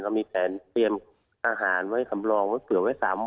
เรามีแทนเตรียมอาหารไว้ขำรองเผื่อไว้๓วันเลย